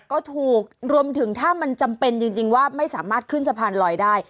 ก็ถูกรวมถึงถ้ามันจำเป็นจริงว่าไม่สามารถขึ้นสะพานลอยได้